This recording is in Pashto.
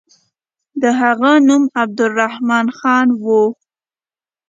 د هغه نوم عبدالرحمن خان وو.